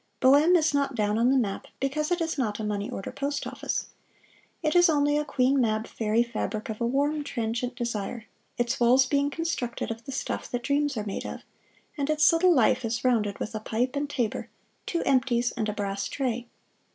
Boheme is not down on the map, because it is not a money order post office. It is only a Queen Mab fairy fabric of a warm, transient desire; its walls being constructed of the stuff that dreams are made of, and its little life is rounded with a pipe and tabor, two empties and a brass tray.